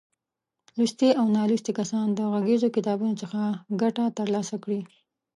لوستي او نالوستي کسان د غږیزو کتابونو څخه ګټه تر لاسه کړي.